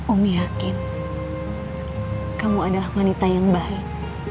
om yakin kamu adalah wanita yang baik